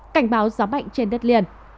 cảnh báo gió mạnh trên đất liền